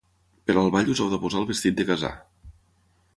Per al ball us heu de posar el vestit de casar.